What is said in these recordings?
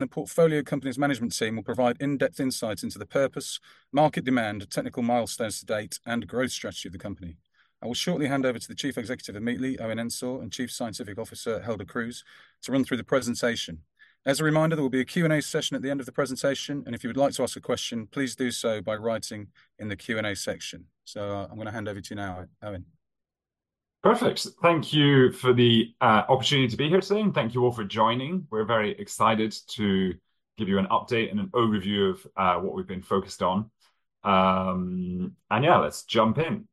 The portfolio company's management team will provide in-depth insights into the purpose, market demand, technical milestones to date, and growth strategy of the company. I will shortly hand over to the Chief Executive of Meatly, Owen Ensor, and Chief Scientific Officer, Helder Cruz, to run through the presentation. As a reminder, there will be a Q&A session at the end of the presentation, and if you would like to ask a question, please do so by writing in the Q&A section. I'm gonna hand over to you now, Owen. Perfect. Thank you for the opportunity to be here today, and thank you all for joining. We're very excited to give you an update and an overview of what we've been focused on. Yeah, let's jump in.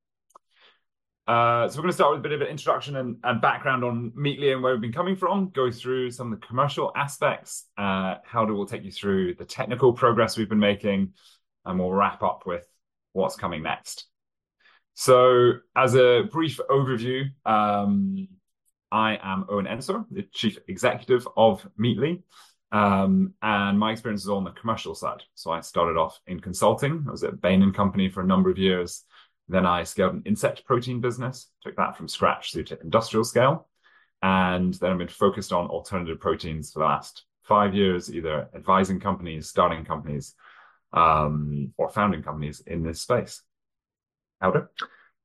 We're gonna start with a bit of an introduction and background on Meatly and where we've been coming from, go through some of the commercial aspects, how we'll take you through the technical progress we've been making, and we'll wrap up with what's coming next. As a brief overview, I am Owen Ensor, the Chief Executive of Meatly. My experience is on the commercial side. I started off in consulting. I was at Bain & Company for a number of years, then I scaled an insect protein business, took that from scratch through to industrial scale. I've been focused on alternative proteins for the last five years, either advising companies, starting companies, or founding companies in this space. Helder?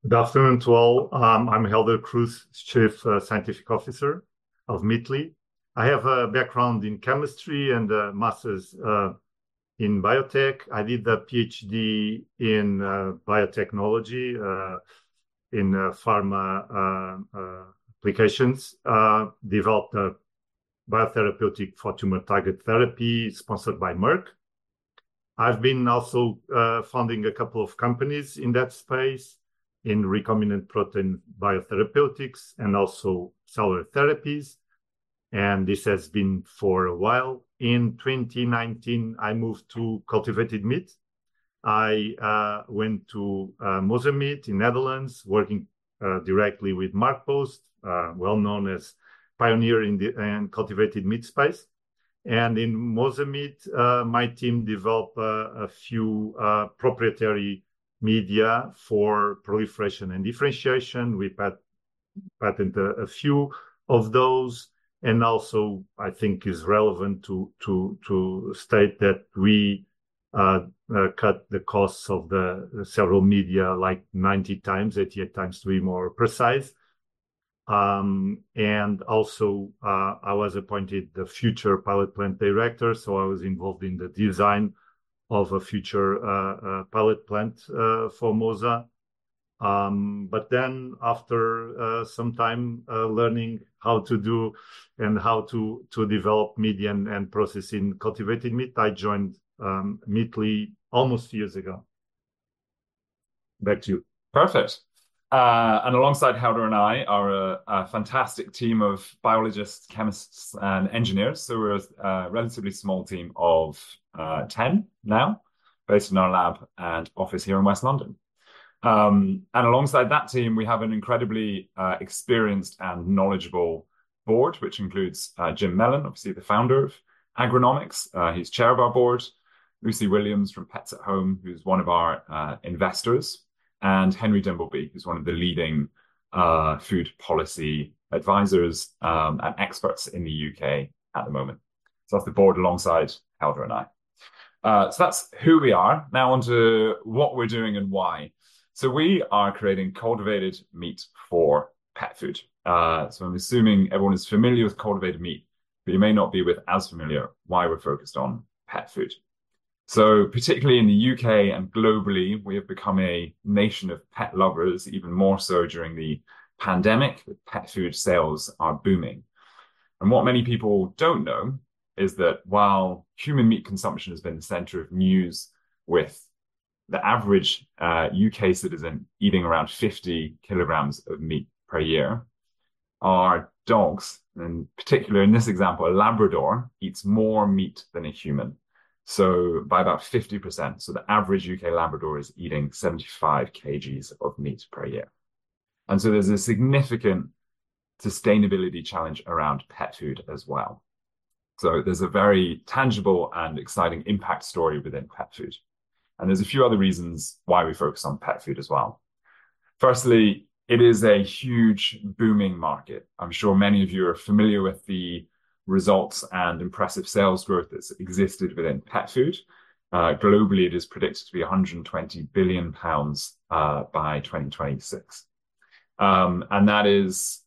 Good afternoon to all. I'm Helder Cruz, Chief Scientific Officer of Meatly. I have a background in chemistry and a master's in biotech. I did a PhD in biotechnology in pharma applications. Developed a biotherapeutic for tumor-targeted therapy sponsored by Merck. I've been also founding a couple of companies in that space in recombinant protein biotherapeutics and also cellular therapies, and this has been for a while. In 2019, I moved to cultivated meat. I went to Mosa Meat in Netherlands, working directly with Mark Post, well-known as pioneer in the cultivated meat space. In Mosa Meat, my team developed a few proprietary media for proliferation and differentiation. We patented a few of those. I think it's relevant to state that we cut the costs of the serum media like 90 times, 88 times to be more precise. I was appointed the future pilot plant director, so I was involved in the design of a future pilot plant for Mosa. After some time learning how to do and how to develop media and processing cultivated meat, I joined Meatly almost two years ago. Back to you. Perfect. Alongside Helder and I are a fantastic team of biologists, chemists, and engineers. We're a relatively small team of 10 now, based in our lab and office here in West London. Alongside that team we have an incredibly experienced and knowledgeable board, which includes Jim Mellon, obviously the founder of Agronomics. He's Chair of our board. Lucy Williams from Pets at Home, who's one of our investors, and Henry Dimbleby, who's one of the leading food policy advisors and experts in the U.K. at the moment. That's the board alongside Helder and I. That's who we are. Now onto what we're doing and why. We are creating cultivated meat for pet food. I'm assuming everyone is familiar with cultivated meat, but you may not be as familiar with why we're focused on pet food. Particularly in the U.K. and globally, we have become a nation of pet lovers, even more so during the pandemic. Pet food sales are booming. What many people don't know is that while human meat consumption has been the center of news, with the average U.K. citizen eating around 50 kg of meat per year, our dogs, and particularly in this example a Labrador, eats more meat than a human. By about 50%. The average U.K. Labrador is eating 75 kg of meat per year. There's a significant sustainability challenge around pet food as well. There's a very tangible and exciting impact story within pet food, and there's a few other reasons why we focus on pet food as well. Firstly, it is a huge, booming market. I'm sure many of you are familiar with the results and impressive sales growth that's existed within pet food. Globally it is predicted to be 120 billion pounds by 2026. That is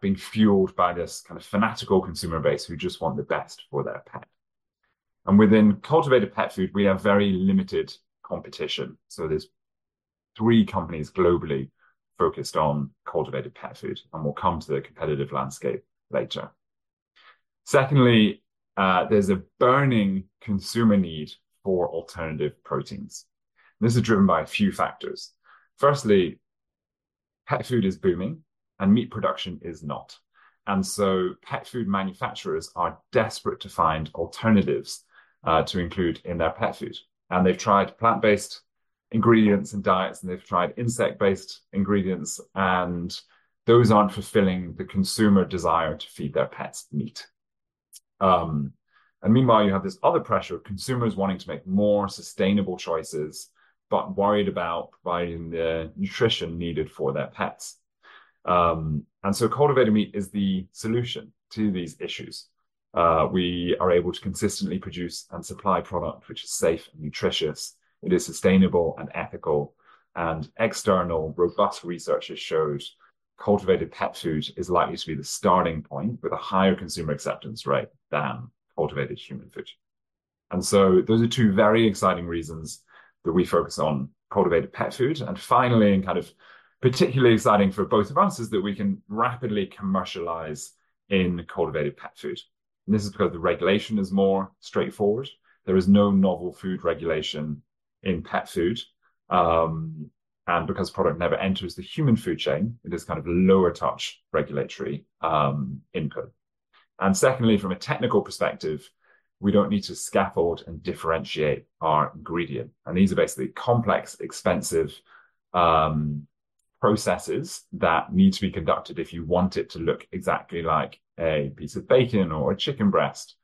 being fueled by this kind of fanatical consumer base who just want the best for their pet. Within cultivated pet food, we have very limited competition. There's three companies globally focused on cultivated pet food, and we'll come to the competitive landscape later. Secondly, there's a burning consumer need for alternative proteins, and this is driven by a few factors. Firstly, pet food is booming and meat production is not, and so pet food manufacturers are desperate to find alternatives to include in their pet food. They've tried plant-based ingredients and diets, and they've tried insect-based ingredients, and those aren't fulfilling the consumer desire to feed their pets meat. Meanwhile, you have this other pressure of consumers wanting to make more sustainable choices but worried about providing the nutrition needed for their pets. Cultivated meat is the solution to these issues. We are able to consistently produce and supply product which is safe and nutritious. It is sustainable and ethical. External robust research shows cultivated pet food is likely to be the starting point with a higher consumer acceptance rate than cultivated human food. Those are two very exciting reasons that we focus on cultivated pet food. Finally, and kind of particularly exciting for both of us, is that we can rapidly commercialize in cultivated pet food. This is because the regulation is more straightforward. There is no Novel Food regulation in pet food. Because product never enters the human food chain, it is kind of lower touch regulatory input. Secondly, from a technical perspective, we don't need to scaffold and differentiate our ingredient. These are basically complex, expensive processes that need to be conducted if you want it to look exactly like a piece of bacon or a chicken breast,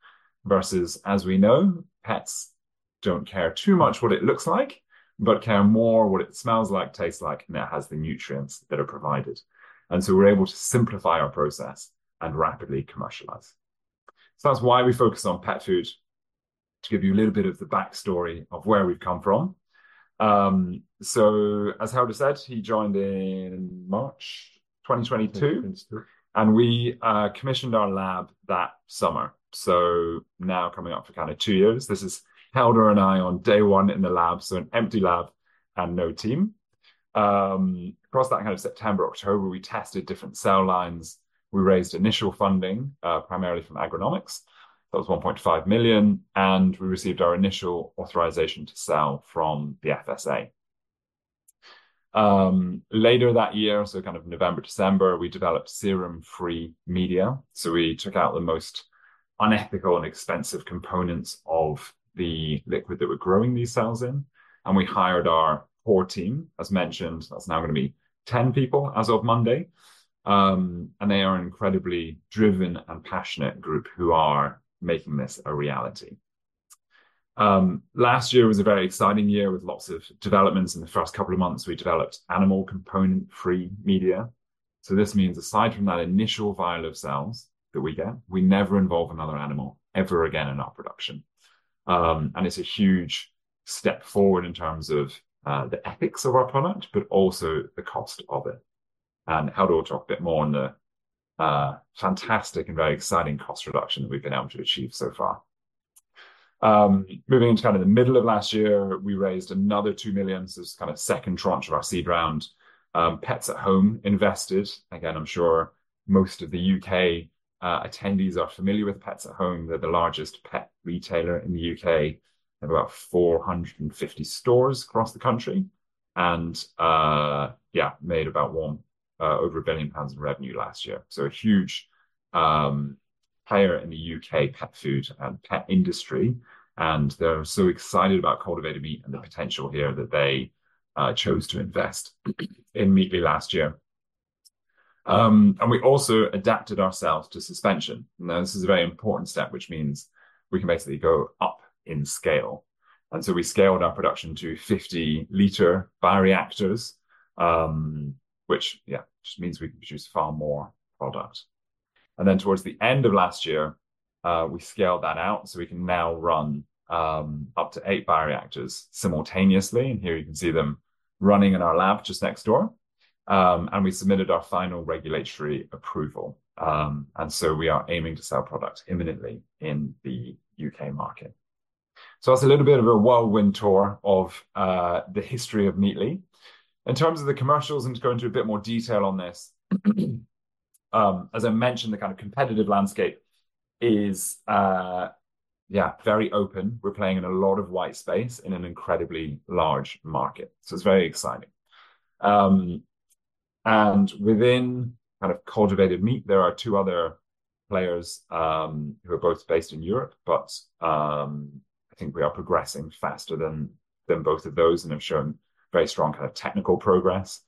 versus, as we know, pets don't care too much what it looks like, but care more what it smells like, tastes like, and it has the nutrients that are provided. We're able to simplify our process and rapidly commercialize. That's why we focus on pet food. To give you a little bit of the backstory of where we've come from. As Helder said, he joined in March 2022. 2022. We commissioned our lab that summer. Now coming up for kind of two years. This is Helder and I on day one in the lab, so an empty lab and no team. Across that kind of September, October, we tested different cell lines. We raised initial funding, primarily from Agronomics. That was 1.5 million, and we received our initial authorization to sell from the FSA. Later that year, kind of November, December, we developed serum-free media. We took out the most unethical and expensive components of the liquid that we're growing these cells in, and we hired our core team. As mentioned, that's now gonna be 10 people as of Monday. They are incredibly driven and passionate group who are making this a reality. Last year was a very exciting year with lots of developments. In the first couple of months, we developed animal component-free media. This means aside from that initial vial of cells that we get, we never involve another animal ever again in our production. It's a huge step forward in terms of the ethics of our product, but also the cost of it. Helder will talk a bit more on the fantastic and very exciting cost reduction that we've been able to achieve so far. Moving into kind of the middle of last year, we raised another 2 million. It's kind of second tranche of our seed round. Pets at Home invested. Again, I'm sure most of the U.K. attendees are familiar with Pets at Home. They're the largest pet retailer in the U.K. They have about 450 stores across the country. Made over 1 billion pounds in revenue last year. A huge player in the UK pet food and pet industry, and they're so excited about cultivated meat and the potential here that they chose to invest in Meatly last year. We also adapted ourselves to suspension. Now, this is a very important step, which means we can basically go up in scale. We scaled our production to 50 L bioreactors, which just means we can produce far more product. Towards the end of last year, we scaled that out, so we can now run up to 8 L bioreactors simultaneously. Here you can see them running in our lab just next door. We submitted our final regulatory approval. We are aiming to sell product imminently in the U.K. market. That's a little bit of a whirlwind tour of the history of Meatly. In terms of the commercials, I'm just going to go into a bit more detail on this. As I mentioned, the kind of competitive landscape is, yeah, very open. We're playing in a lot of white space in an incredibly large market, so it's very exciting. Within kind of cultivated meat, there are two other players, who are both based in Europe, but I think we are progressing faster than both of those and have shown very strong kind of technical progress.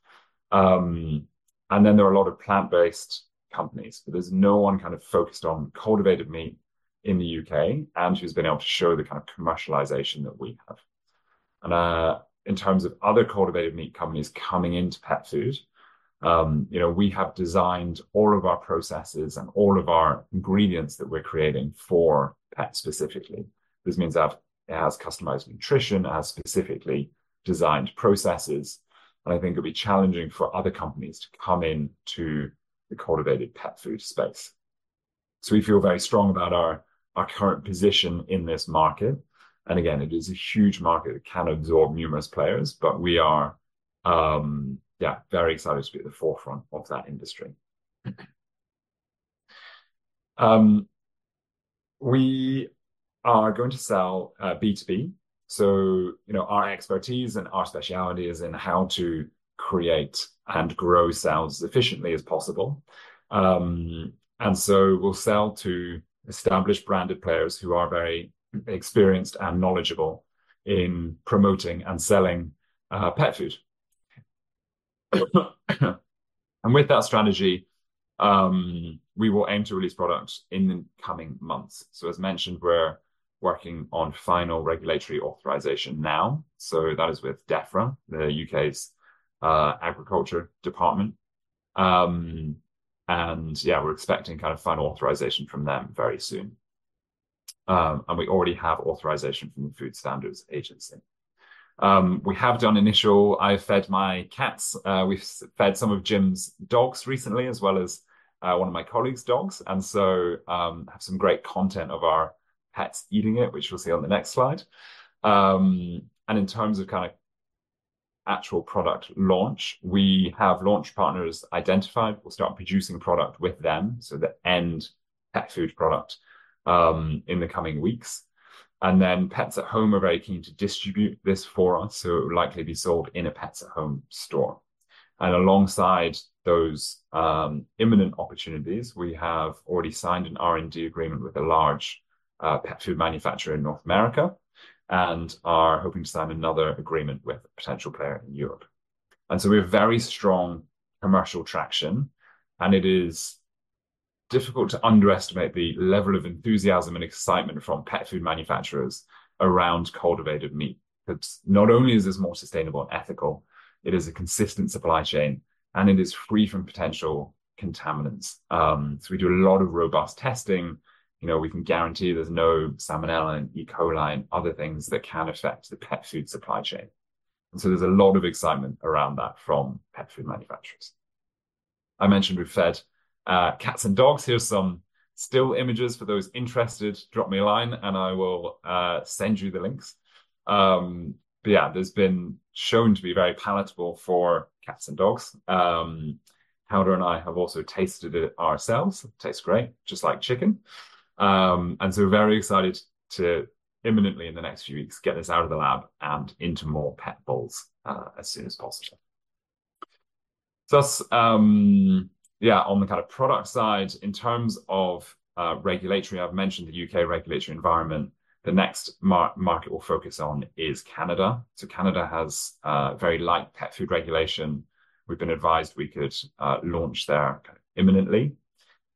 Then there are a lot of plant-based companies. There's no one who's focused on cultivated meat in the U.K., and who's been able to show the kind of commercialization that we have. In terms of other cultivated meat companies coming into pet food, you know, we have designed all of our processes and all of our ingredients that we're creating for pet specifically. This means that it has customized nutrition, it has specifically designed processes, and I think it'll be challenging for other companies to come into the cultivated pet food space. We feel very strong about our current position in this market. Again, it is a huge market. It can absorb numerous players, but we are very excited to be at the forefront of that industry. We are going to sell B2B. You know, our expertise and our specialty is in how to create and grow sales as efficiently as possible. We'll sell to established branded players who are very experienced and knowledgeable in promoting and selling pet food. With that strategy, we will aim to release products in the coming months. As mentioned, we're working on final regulatory authorization now. That is with Defra, the U.K.'s agriculture department. Yeah, we're expecting kind of final authorization from them very soon. We already have authorization from the Food Standards Agency. I've fed my cats, we've fed some of Jim's dogs recently, as well as one of my colleague's dogs. We have some great content of our pets eating it, which we'll see on the next slide. In terms of kind of actual product launch, we have launch partners identified. We'll start producing product with them, so the end pet food product in the coming weeks. Pets at Home are very keen to distribute this for us. It will likely be sold in a Pets at Home store. Alongside those imminent opportunities, we have already signed an R&D agreement with a large pet food manufacturer in North America, and are hoping to sign another agreement with a potential player in Europe. We have very strong commercial traction, and it is difficult to underestimate the level of enthusiasm and excitement from pet food manufacturers around cultivated meat. Not only is this more sustainable and ethical, it is a consistent supply chain, and it is free from potential contaminants. We do a lot of robust testing. You know, we can guarantee there's no Salmonella and E. coli and other things that can affect the pet food supply chain. There's a lot of excitement around that from pet food manufacturers. I mentioned we've fed cats and dogs. Here's some still images for those interested. Drop me a line, and I will send you the links. Yeah, that's been shown to be very palatable for cats and dogs. Helder and I have also tasted it ourselves. It tastes great, just like chicken. We're very excited to imminently, in the next few weeks, get this out of the lab and into more pet bowls as soon as possible. That's, yeah, on the kind of product side. In terms of regulatory, I've mentioned the UK regulatory environment. The next market we'll focus on is Canada. Canada has very light pet food regulation. We've been advised we could launch there imminently.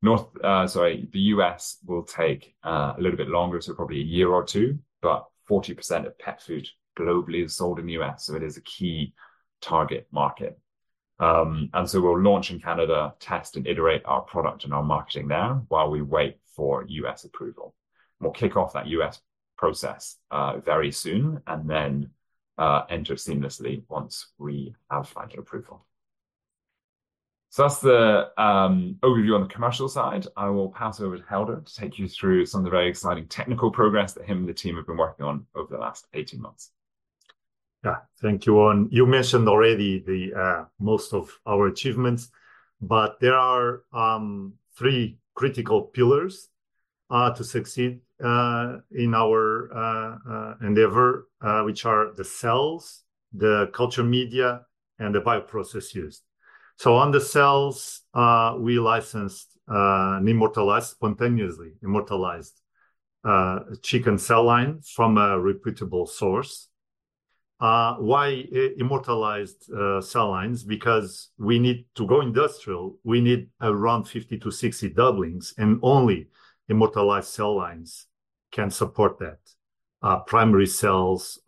The U.S. will take a little bit longer, so probably a year or two. 40% of pet food globally is sold in the U.S., so it is a key target market. We'll launch in Canada, test and iterate our product and our marketing there while we wait for U.S. approval. We'll kick off that U.S. process very soon, and then enter seamlessly once we have final approval. That's the overview on the commercial side. I will pass over to Helder to take you through some of the very exciting technical progress that him and the team have been working on over the last 18 months. Yeah. Thank you, Owen. You mentioned already the most of our achievements, but there are three critical pillars to succeed in our endeavor, which are the cells, the culture media, and the bioprocess used. On the cells, we licensed a spontaneously immortalized chicken cell line from a reputable source. Why immortalized cell lines? Because we need to go industrial, we need around 50-60 doublings, and only immortalized cell lines can support that. Primary cells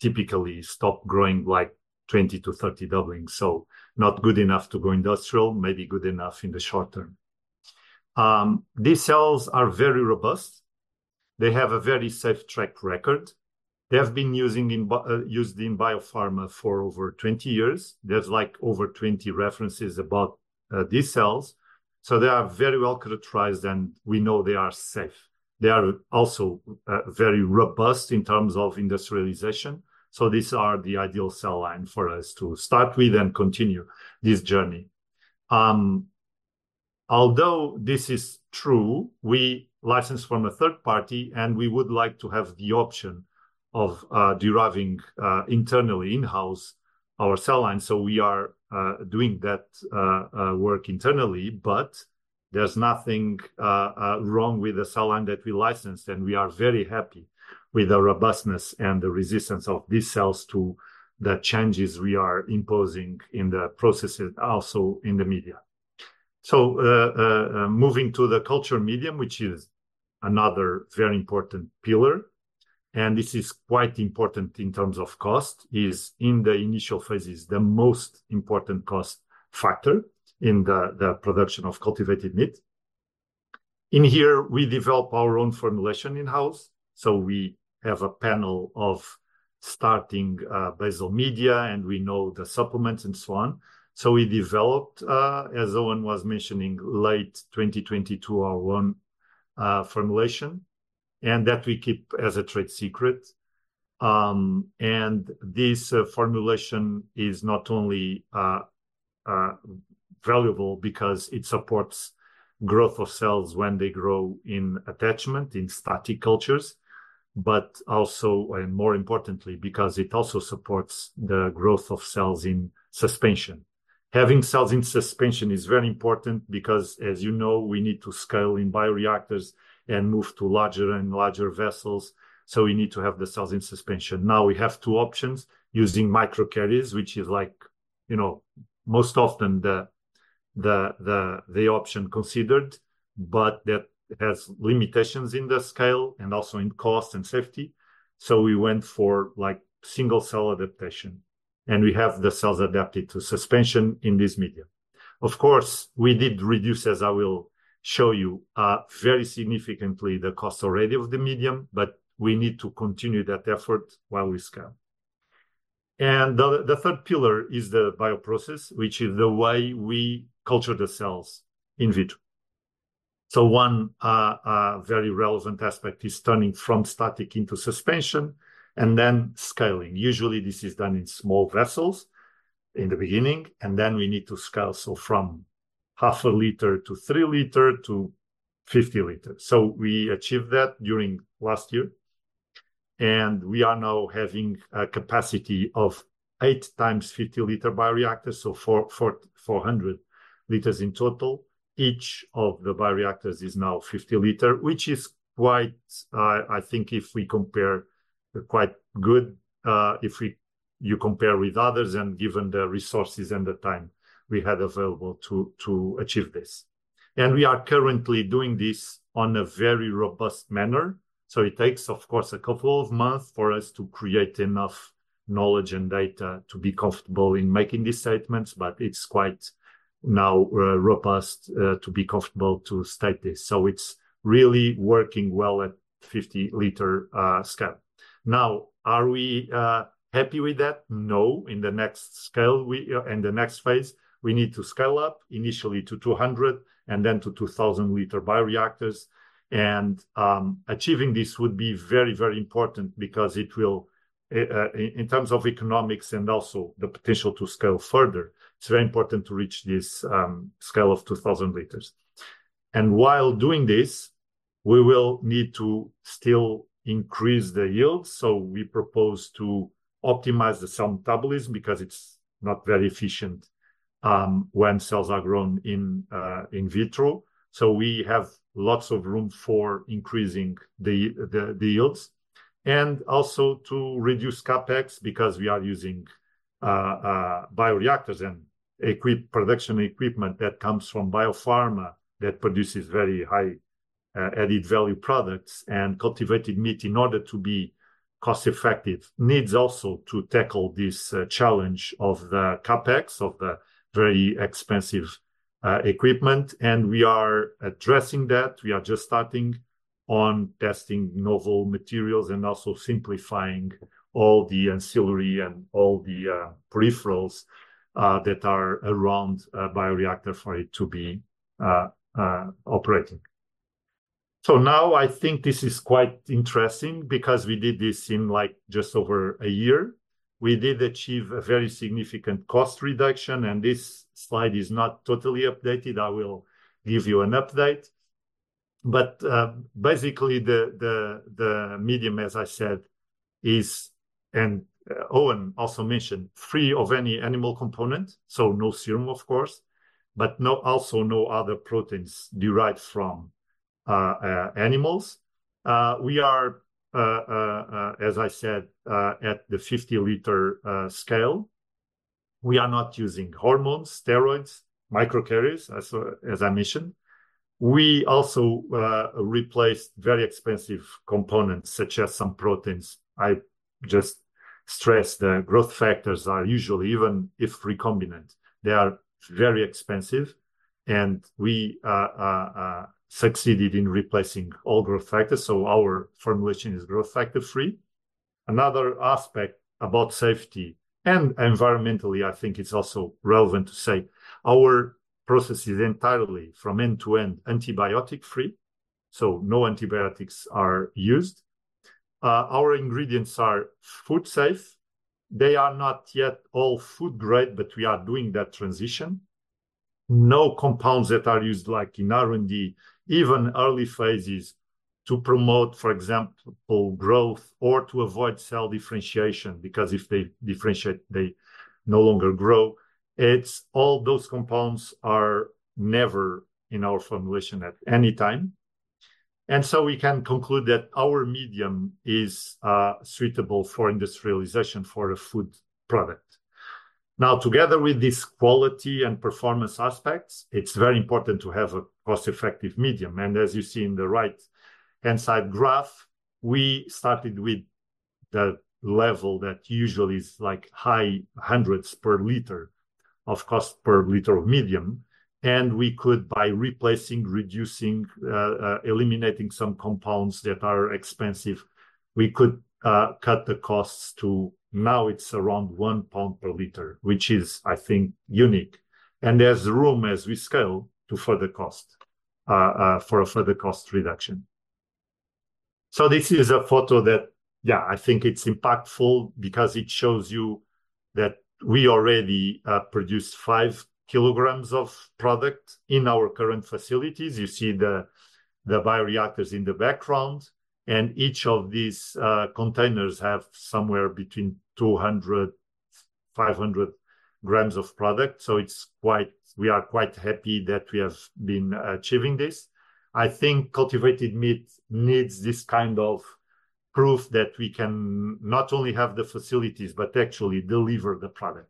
typically stop growing, like, 20-30 doublings. Not good enough to go industrial, maybe good enough in the short term. These cells are very robust. They have a very safe track record. They have been used in biopharma for over 20 years. There's, like, over 20 references about these cells. They are very well characterized, and we know they are safe. They are also very robust in terms of industrialization. These are the ideal cell line for us to start with and continue this journey. Although this is true, we licensed from a third party, and we would like to have the option of deriving internally in-house our cell line. We are doing that work internally. There's nothing wrong with the cell line that we licensed, and we are very happy with the robustness and the resistance of these cells to the changes we are imposing in the processes, also in the media. Moving to the culture medium, which is another very important pillar, and this is quite important in terms of cost. It is, in the initial phases, the most important cost factor in the production of cultivated meat. In here, we develop our own formulation in-house. We have a panel of starting basal media, and we know the supplements and so on. We developed, as Owen was mentioning, late 2022, our own formulation, and that we keep as a trade secret. This formulation is not only valuable because it supports growth of cells when they grow in attachment in static cultures, but also, and more importantly, because it also supports the growth of cells in suspension. Having cells in suspension is very important because, as you know, we need to scale in bioreactors and move to larger and larger vessels. We need to have the cells in suspension. Now we have two options, using microcarriers, which is like, you know, most often the option considered. That has limitations in the scale, and also in cost and safety, so we went for, like, single cell adaptation. We have the cells adapted to suspension in this medium. Of course, we did reduce, as I will show you, very significantly the cost already of the medium, but we need to continue that effort while we scale. The third pillar is the bioprocess, which is the way we culture the cells in vitro. One very relevant aspect is turning from static into suspension, and then scaling. Usually this is done in small vessels in the beginning, and then we need to scale, so from 0.5 L to 3 L to 50 L. We achieved that during last year, and we are now having a capacity of 8x 50 L bioreactors, so 400 L in total. Each of the bioreactors is now 50 L, which is quite, I think if we compare, quite good, if you compare with others, and given the resources and the time we had available to achieve this. We are currently doing this in a very robust manner, so it takes, of course, a couple of months for us to create enough knowledge and data to be comfortable in making these statements. It's quite robust now to be comfortable to state this. It's really working well at 50 L scale. Now are we happy with that? No. In the next phase we need to scale up, initially to 200 L and then to 2,000 L bioreactors. Achieving this would be very, very important because it will in terms of economics and also the potential to scale further, it's very important to reach this scale of 2,000 L. While doing this, we will need to still increase the yield, so we propose to optimize the cell metabolism because it's not very efficient when cells are grown in vitro. We have lots of room for increasing the yields. Also to reduce CapEx because we are using bioreactors and production equipment that comes from biopharma that produces very high added value products. Cultivated meat, in order to be cost-effective, needs also to tackle this challenge of the CapEx, of the very expensive equipment, and we are addressing that. We are just starting on testing novel materials and also simplifying all the ancillary and all the peripherals that are around a bioreactor for it to be operating. Now I think this is quite interesting because we did this in, like, just over a year. We did achieve a very significant cost reduction, and this slide is not totally updated. I will give you an update. Basically the medium, as I said, is, and Owen also mentioned, free of any animal component, so no serum of course, but no, also no other proteins derived from animals. We are, as I said, at the 50 L scale. We are not using hormones, steroids, microcarriers, as I mentioned. We also replaced very expensive components, such as some proteins. I just stress the growth factors are usually, even if recombinant, they are very expensive, and we succeeded in replacing all growth factors, so our formulation is growth factor free. Another aspect about safety, and environmentally I think it's also relevant to say, our process is entirely from end to end antibiotic free, so no antibiotics are used. Our ingredients are food safe. They are not yet all food grade, but we are doing that transition. No compounds that are used, like in R&D, even early phases to promote, for example, growth or to avoid cell differentiation, because if they differentiate they no longer grow. It's all those compounds are never in our formulation at any time. We can conclude that our medium is suitable for industrialization for a food product. Together with this quality and performance aspects, it's very important to have a cost-effective medium. As you see in the right-hand side graph, we started with the level that usually is, like, high hundreds per liter of cost per liter of medium. We could, by replacing, reducing, eliminating some compounds that are expensive, we could cut the costs to now it's around 1 pound per liter, which is, I think, unique. There's room as we scale to further cost for a further cost reduction. This is a photo that, yeah, I think it's impactful because it shows you that we already produced 5 kg of product in our current facilities. You see the bioreactors in the background. Each of these containers have somewhere between 200 grams, 500 grams of product, so it's quite. We are quite happy that we have been achieving this. I think cultivated meat needs this kind of proof that we can not only have the facilities, but actually deliver the product.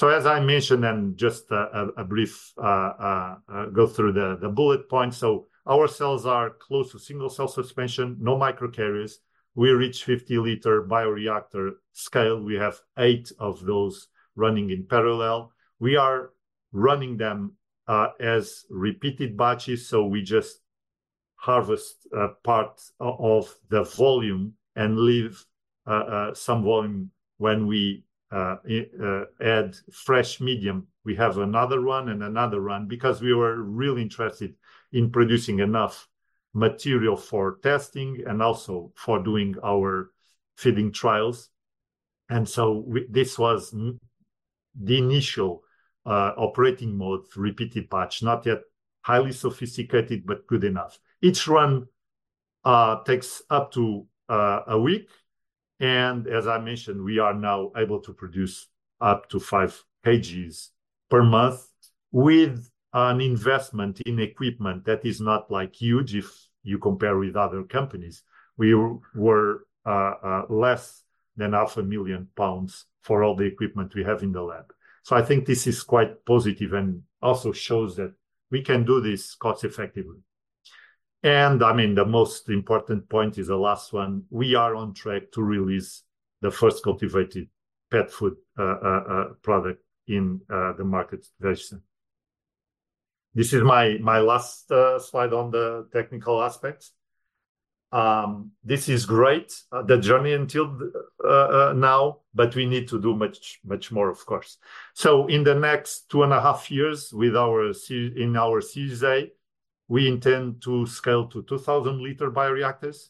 As I mentioned, just a brief go through the bullet points. Our cells are close to single-cell suspension, no microcarriers. We reach 50 L bioreactor scale. We have eight of those running in parallel. We are running them as repeated batches, so we just harvest part of the volume and leave some volume when we add fresh medium. We have another run and another run because we were really interested in producing enough material for testing and also for doing our feeding trials. This was the initial operating mode repeated batch, not yet highly sophisticated, but good enough. Each run takes up to a week. As I mentioned, we are now able to produce up to 5 kg per month with an investment in equipment that is not like huge if you compare with other companies. We were less than 500,000 pounds for all the equipment we have in the lab. I think this is quite positive and also shows that we can do this cost-effectively. I mean, the most important point is the last one. We are on track to release the first cultivated pet food product in the market very soon. This is my last slide on the technical aspects. This is great, the journey until now, but we need to do much more, of course. In the next 2.5 years with our Series A, we intend to scale to 2,000 L bioreactors.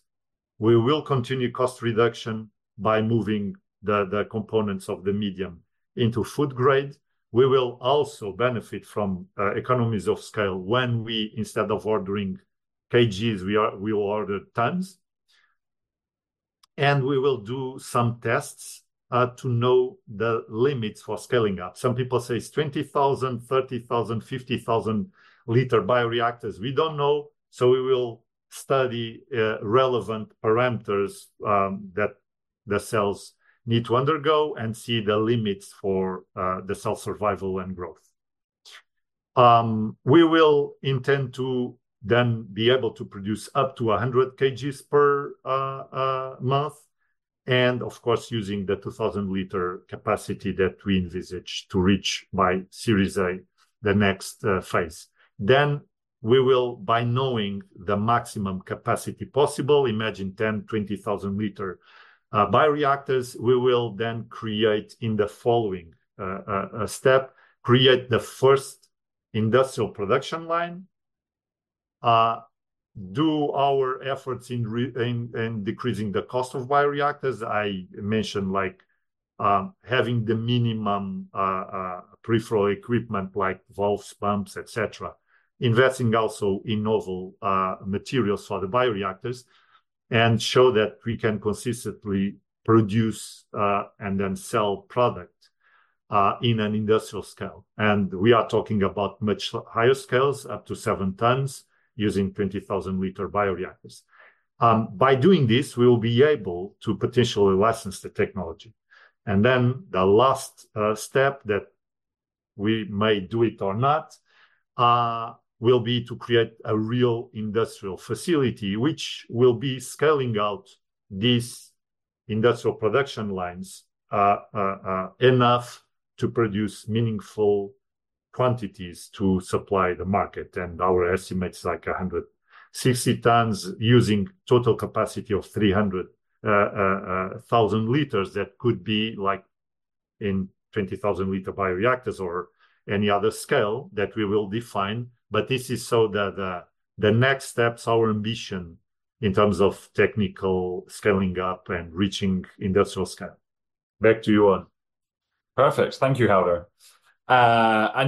We will continue cost reduction by moving the components of the medium into food grade. We will also benefit from economies of scale when, instead of ordering kgs, we will order tons. We will do some tests to know the limits for scaling up. Some people say it's 20,000 L, 30,000 L, 50,000 L bioreactors. We don't know, so we will study relevant parameters that the cells need to undergo and see the limits for the cell survival and growth. We will intend to then be able to produce up to 100 kg per month and of course, using the 2,000 L capacity that we envisage to reach by Series A, the next phase. We will, by knowing the maximum capacity possible, imagine 10,000 L, 20,000 L bioreactors, we will then create in the following step the first industrial production line, do our efforts in decreasing the cost of bioreactors. I mentioned like having the minimum peripheral equipment like valves, pumps, et cetera. Investing also in novel materials for the bioreactors and show that we can consistently produce and then sell product in an industrial scale. We are talking about much higher scales, up to 7 tons using 20,000 L bioreactors. By doing this, we will be able to potentially license the technology. Then the last step that we may do it or not will be to create a real industrial facility which will be scaling out these industrial production lines enough to produce meaningful quantities to supply the market. Our estimate's like 160 tons using total capacity of 300,000 L that could be like in 20,000 L bioreactors or any other scale that we will define. This is so the next steps our ambition in terms of technical scaling up and reaching industrial scale. Back to you, Owen. Perfect. Thank you, Helder.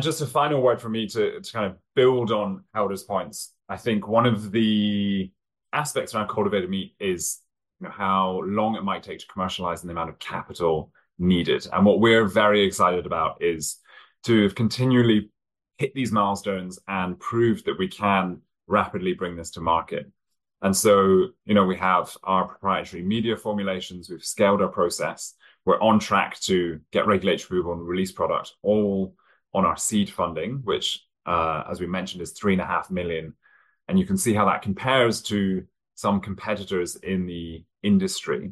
Just a final word from me to kind of build on Helder's points. I think one of the aspects around cultivated meat is, you know, how long it might take to commercialize and the amount of capital needed. What we're very excited about is to have continually hit these milestones and prove that we can rapidly bring this to market. You know, we have our proprietary media formulations. We've scaled our process. We're on track to get regulatory approval and release product all on our seed funding, which, as we mentioned, is 3.5 million. You can see how that compares to some competitors in the industry.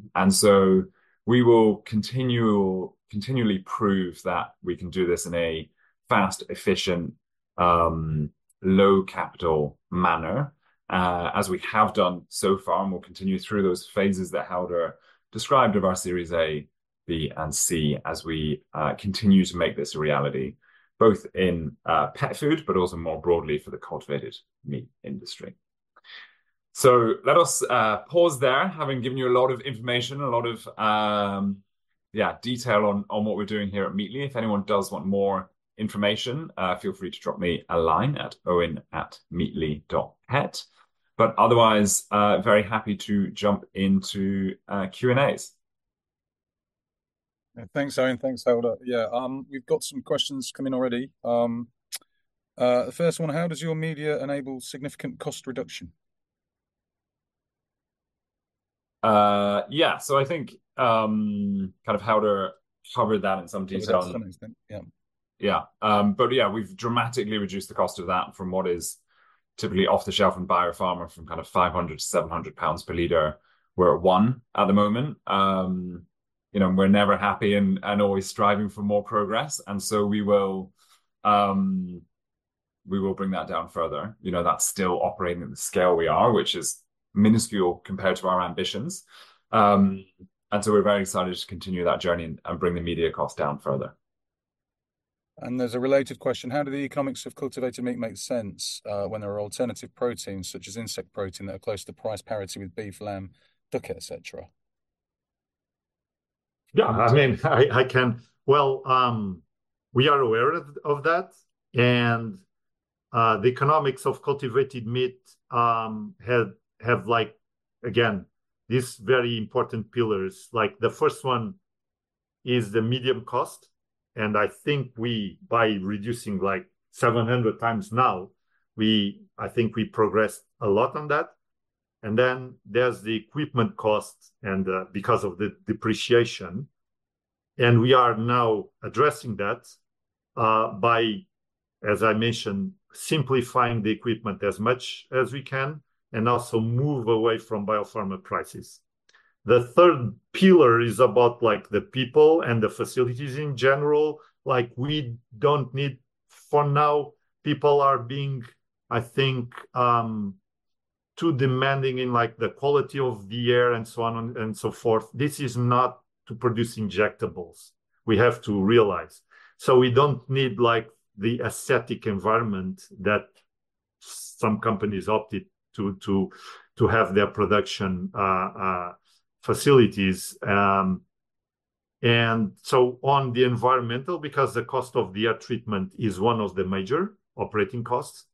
We will continually prove that we can do this in a fast, efficient, low capital manner, as we have done so far and will continue through those phases that Helder described of our Series A, B, and C as we continue to make this a reality, both in pet food, but also more broadly for the cultivated meat industry. Let us pause there, having given you a lot of information, a lot of detail on what we're doing here at Meatly. If anyone does want more information, feel free to drop me a line at owen@meatly.pet. Otherwise, very happy to jump into Q&As. Thanks, Owen. Thanks, Helder. Yeah. We've got some questions coming already. The first one, how does your media enable significant cost reduction? I think, kind of Helder covered that in some detail. To some extent. Yeah. Yeah, we've dramatically reduced the cost of that from what is typically off the shelf in biopharma from kind of 500-700 pounds per liter. We're at one at the moment. You know, we're never happy and always striving for more progress and so we will bring that down further. You know, that's still operating at the scale we are, which is minuscule compared to our ambitions. We're very excited to continue that journey and bring the media cost down further. There's a related question: How do the economics of cultivated meat make sense, when there are alternative proteins such as insect protein that are close to the price parity with beef, lamb, duck, et cetera? Yeah. I mean, well, we are aware of that, and the economics of cultivated meat have like, again, these very important pillars. Like, the first one is the media cost, and I think we by reducing like 700x now, I think we progressed a lot on that. Then there's the equipment costs and because of the depreciation, and we are now addressing that by, as I mentioned, simplifying the equipment as much as we can and also move away from biopharma prices. The third pillar is about, like, the people and the facilities in general. Like, we don't need. For now people are being, I think, too demanding in, like, the quality of the air and so on and so forth. This is not to produce injectables, we have to realize. We don't need, like, the aesthetic environment that some companies opted to have their production facilities. On the environmental, because the cost of the air treatment is one of the major operating costs,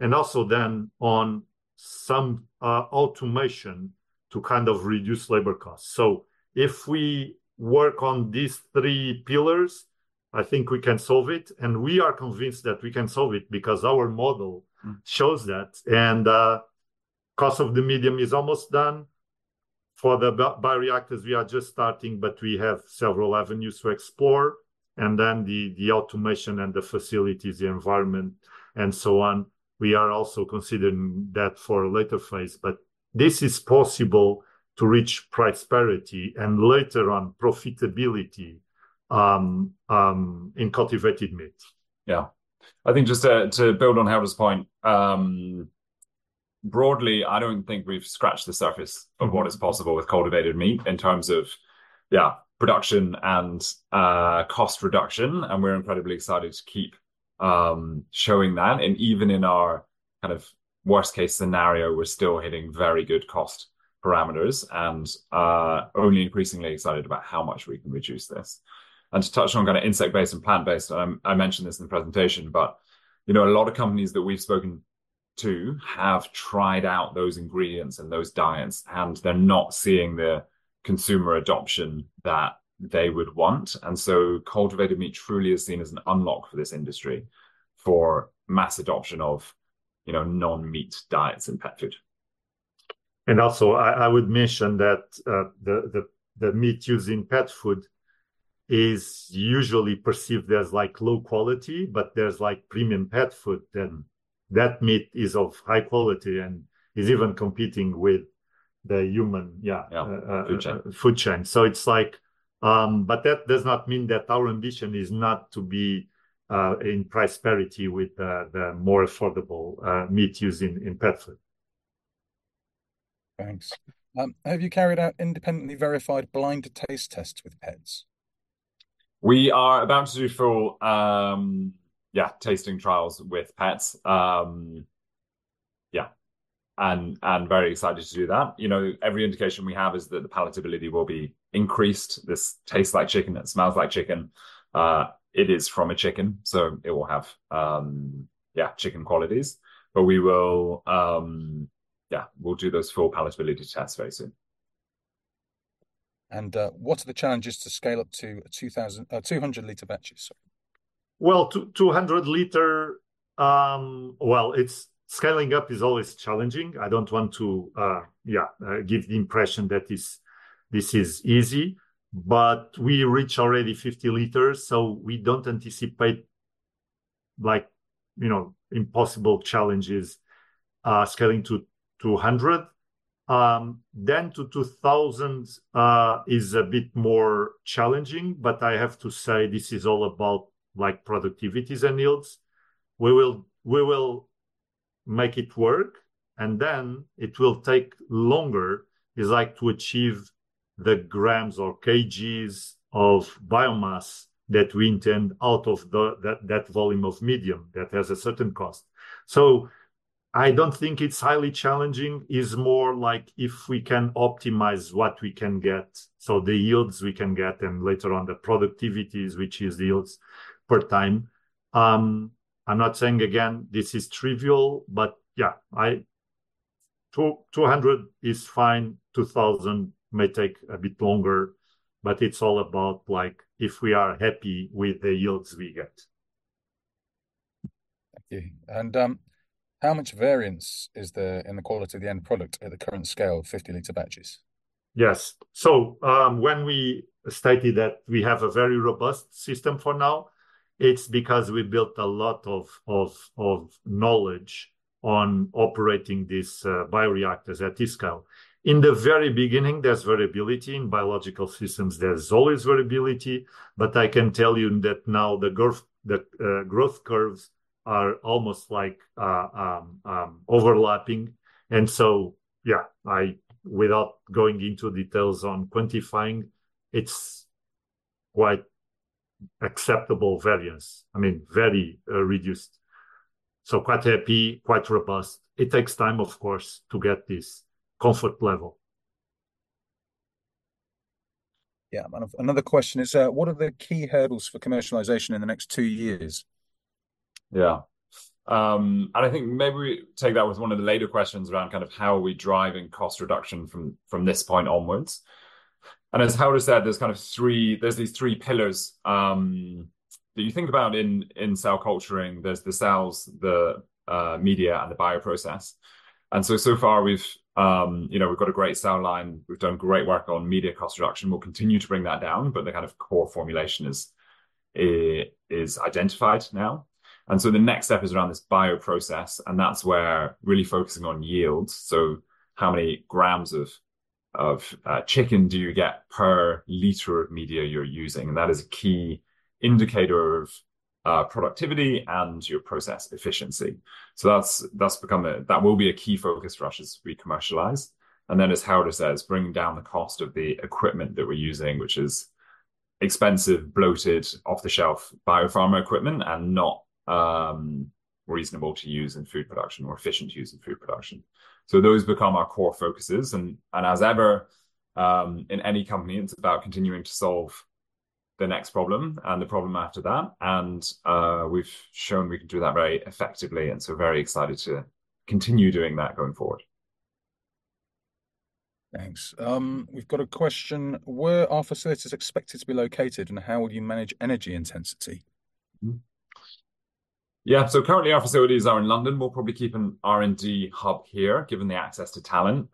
and also then on some automation to kind of reduce labor costs. If we work on these three pillars, I think we can solve it, and we are convinced that we can solve it because our model shows that. Cost of the medium is almost done. For the bioreactors, we are just starting, but we have several avenues to explore. The automation and the facilities, the environment and so on, we are also considering that for a later phase. This is possible to reach price parity, and later on profitability, in cultivated meat. I think just to build on Helder's point, broadly, I don't think we've scratched the surface of what is possible with cultivated meat in terms of, yeah, production and, cost reduction, and we're incredibly excited to keep showing that. Even in our kind of worst-case scenario, we're still hitting very good cost parameters and only increasingly excited about how much we can reduce this. To touch on kinda insect-based and plant-based, I mentioned this in the presentation but, you know, a lot of companies that we've spoken to have tried out those ingredients and those diets, and they're not seeing the consumer adoption that they would want. Cultivated meat truly is seen as an unlock for this industry for mass adoption of, you know, non-meat diets in pet food. I would mention that the meat used in pet food is usually perceived as, like, low quality, but there's, like, premium pet food. That meat is of high quality and is even competing with the human, yeah- Yeah. Food chain.... food chain. It's like that does not mean that our ambition is not to be in price parity with the more affordable meat used in pet food. Thanks. Have you carried out independently verified blind taste tests with pets? We are about to do full tasting trials with pets. Very excited to do that. You know, every indication we have is that the palatability will be increased. This tastes like chicken, it smells like chicken. It is from a chicken, so it will have chicken qualities. We will, we'll do those full palatability tests very soon. What are the challenges to scale up to a 200 L batches? Sorry. Scaling up is always challenging. I don't want to give the impression that this is easy. We reach already 50 L, so we don't anticipate, like, you know, impossible challenges scaling to 200 L. To 2,000 L is a bit more challenging, but I have to say this is all about, like, productivities and yields. We will make it work, and then it will take longer is, like, to achieve the grams or kilograms of biomass that we intend out of that volume of medium that has a certain cost. I don't think it's highly challenging. It's more, like, if we can optimize what we can get so the yields we can get, and later on the productivities, which is yields per time. I'm not saying again this is trivial, but yeah. 200 L is fine, 2,000 L may take a bit longer. It's all about, like, if we are happy with the yields we get. Thank you. How much variance is there in the quality of the end product at the current scale of 50 L batches? Yes. When we stated that we have a very robust system for now, it's because we built a lot of knowledge on operating this bioreactors at this scale. In the very beginning, there's variability. In biological systems there's always variability, but I can tell you that now the growth curves are almost like overlapping. Yeah, I, without going into details on quantifying, it's quite acceptable variance. I mean, very reduced. Quite happy, quite robust. It takes time, of course, to get this comfort level. Yeah. Another question is, what are the key hurdles for commercialization in the next two years? Yeah. I think maybe we take that with one of the later questions around kind of how are we driving cost reduction from this point onwards. As Helder said, there are three pillars that you think about in cell culturing. There are the cells, the media, and the bioprocess. So far we have you know got a great cell line. We have done great work on media cost reduction. We will continue to bring that down, but the kind of core formulation is identified now. The next step is around this bioprocess, and that is where we are really focusing on yields. How many grams of chicken do you get per liter of media you are using? That is a key indicator of productivity and your process efficiency. That will be a key focus for us as we commercialize. Then as Helder says, bringing down the cost of the equipment that we're using, which is expensive, bloated, off-the-shelf biopharma equipment and not reasonable to use in food production or efficient to use in food production. Those become our core focuses, and as ever, in any company, it's about continuing to solve the next problem and the problem after that. We've shown we can do that very effectively, and so very excited to continue doing that going forward. Thanks. We've got a question, where are facilities expected to be located, and how will you manage energy intensity? Currently our facilities are in London. We'll probably keep an R&D hub here given the access to talent,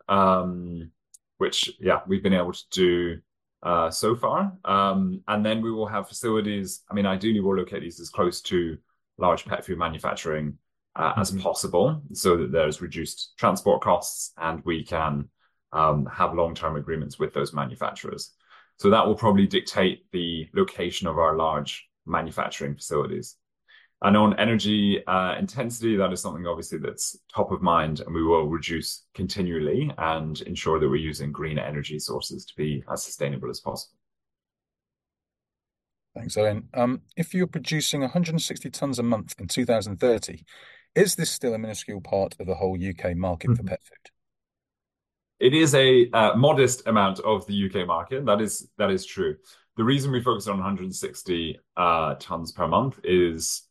which we've been able to do so far. We will have facilities. I mean, ideally we'll locate these as close to large pet food manufacturing as possible so that there's reduced transport costs and we can have long-term agreements with those manufacturers. That will probably dictate the location of our large manufacturing facilities. On energy intensity, that is something obviously that's top of mind and we will reduce continually and ensure that we're using green energy sources to be as sustainable as possible. Thanks, Owen. If you're producing 160 tons a month in 2030, is this still a minuscule part of the whole U.K. market for pet food? It is a modest amount of the U.K. market, that is true. The reason we focus on 160 tons per month is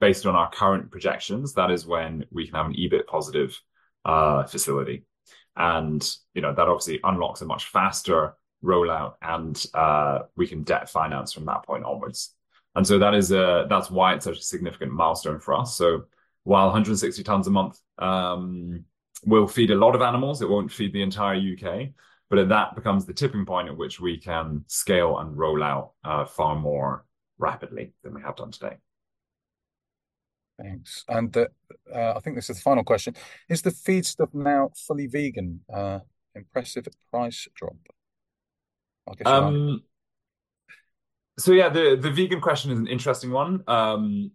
based on our current projections, that is when we can have an EBIT-positive facility. You know, that obviously unlocks a much faster rollout and we can debt finance from that point onwards. That is why it's such a significant milestone for us. While 160 tons a month will feed a lot of animals, it won't feed the entire U.K., but that becomes the tipping point at which we can scale and roll out far more rapidly than we have done to date. Thanks. I think this is the final question. Is the feedstock now fully vegan? Impressive price drop. I'll give you that one. The vegan question is an interesting one.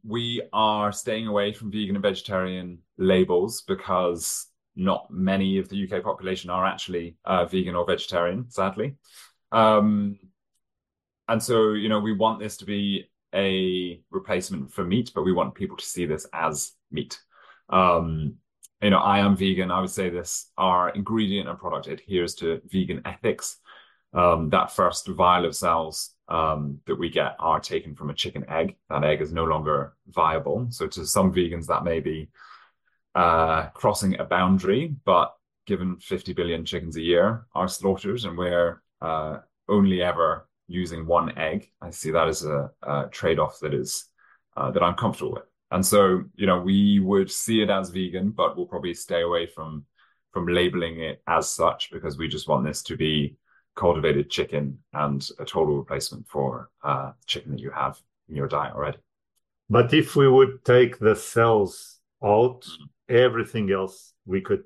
We are staying away from vegan and vegetarian labels because not many of the U.K. population are actually vegan or vegetarian, sadly. You know, we want this to be a replacement for meat, but we want people to see this as meat. You know, I am vegan. I would say this, our ingredient and product adheres to vegan ethics. That first vial of cells that we get are taken from a chicken egg. That egg is no longer viable, so to some vegans that may be crossing a boundary, but given 50 billion chickens a year are slaughtered and we're only ever using one egg, I see that as a trade-off that I'm comfortable with. You know, we would see it as vegan, but we'll probably stay away from labeling it as such because we just want this to be cultivated chicken and a total replacement for chicken that you have in your diet already. If we would take the cells out, everything else we could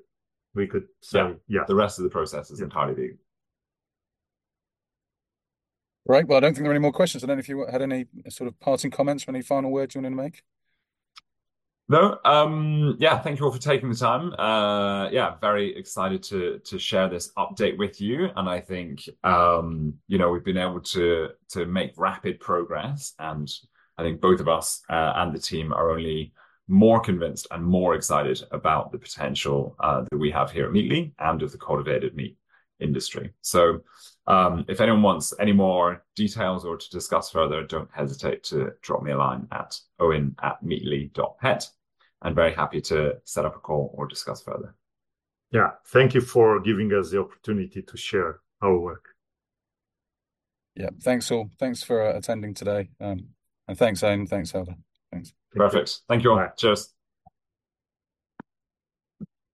say yeah. Yeah. The rest of the process is entirely vegan. Right. Well, I don't think there are any more questions. I don't know if you had any sort of parting comments or any final words you wanted to make? No. Yeah. Thank you all for taking the time. Yeah, very excited to share this update with you and I think, you know, we've been able to make rapid progress, and I think both of us and the team are only more convinced and more excited about the potential that we have here at Meatly and of the cultivated meat industry. If anyone wants any more details or to discuss further, don't hesitate to drop me a line at owen@meatly.pet. I'm very happy to set up a call or discuss further. Yeah. Thank you for giving us the opportunity to share our work. Yeah. Thanks, all. Thanks for attending today. Thanks, Owen. Thanks, Helder. Thanks. Perfect. Thank you all. Bye. Cheers.